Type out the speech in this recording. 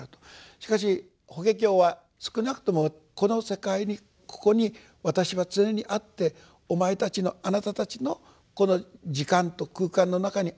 しかし法華経は少なくともこの世界にここに私は常にあって「おまえたちの貴方たちのこの時間と空間の中にあるよ。